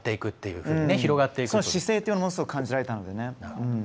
姿勢というのがすごい感じられたので。